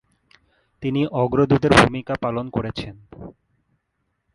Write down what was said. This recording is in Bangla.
তিনি অগ্রদূতের ভূমিকা পালন করেছেন।